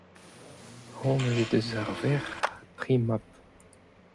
honnezh he deus ur verc'h ha tri mab.